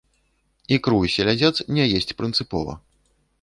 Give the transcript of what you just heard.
Ікру і селядзец не есць прынцыпова.